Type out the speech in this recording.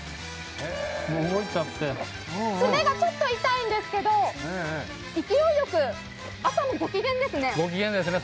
爪がちょっと痛いんですけど勢いよく、朝もご機嫌ですね。